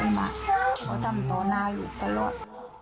เขาทำตอนนั้นหลุบตลอด